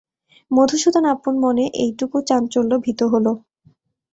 মধুসূদন আপন মনের এইটুকু চাঞ্চল্যে ভীত হল।